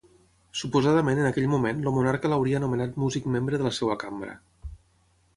Suposadament en aquell moment el monarca l'hauria nomenat músic membre de la seva Cambra.